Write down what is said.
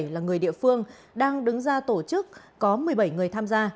là người địa phương đang đứng ra tổ chức có một mươi bảy người tham gia